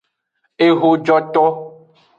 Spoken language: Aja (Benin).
Ehojoto.